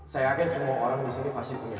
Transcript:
saya yakin semua orang di sini